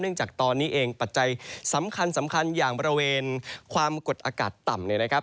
จากตอนนี้เองปัจจัยสำคัญอย่างบริเวณความกดอากาศต่ำเนี่ยนะครับ